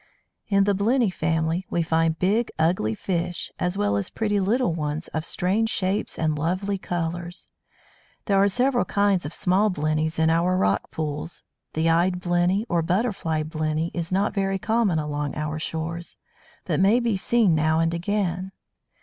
In the Blenny family we find big, ugly fish as well as pretty little ones of strange shapes and lovely colours. There are several kinds of small Blennies in our rock pools. The Eyed Blenny, or Butterfly Blenny is not very common along our shores, but may be seen now and again.